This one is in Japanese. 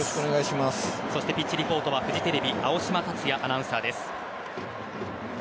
ピッチリポートはフジテレビ青嶋達也アナウンサーです。